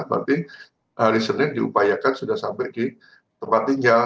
berarti hari senin diupayakan sudah sampai di tempat tinggal